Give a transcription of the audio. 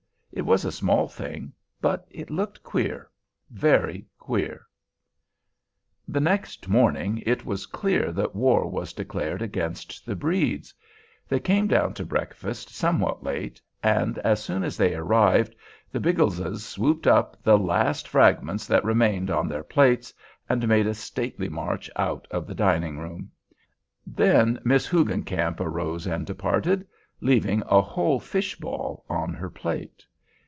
It was a small thing. But it looked queer, Very queer. The next morning, it was clear that war was declared against the Bredes. They came down to breakfast somewhat late, and, as soon as they arrived, the Biggleses swooped up the last fragments that remained on their plates, and made a stately march out of the dining room, Then Miss Hoogencamp arose and departed, leaving a whole fish ball on her plate.